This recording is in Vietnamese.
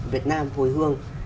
việt nam hồi hương